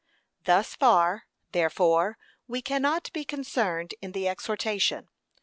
Thus far, therefore, we cannot be concerned in the exhortation.